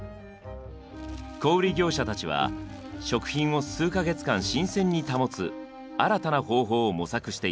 小売業者たちは食品を数か月間新鮮に保つ新たな方法を模索していました。